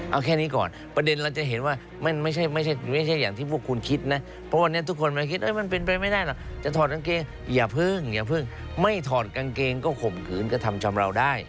เอาแค่นี้ก่อนประเด็นเราจะเห็นว่ามันไม่ใช่อย่างที่พวกคุณคิดนะเพราะวันนี้ทุกคนมาคิดมันเป็นไปไม่ได้หรอกจะถอดกางเกงอย่าเพิ่งอย่าเพิ่งไม่ถอดกางเกงก็ข่มขืนกระทำชำราวได้